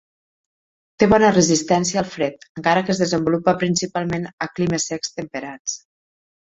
Té bona resistència al fred encara que es desenvolupa principalment a climes secs temperats.